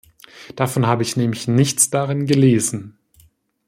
Davon habe ich nämlich nichts darin gelesen.